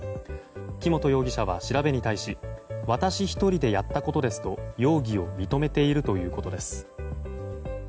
木本容疑者は調べに対し私１人でやったことですと容疑を認めているということです。